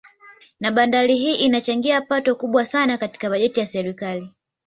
Na bandari hii inachangia pato kubwa sana katika bajeti ya serikali